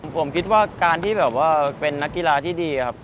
ผมคิดว่าการที่แบบว่าเป็นนักกีฬาที่ดีครับ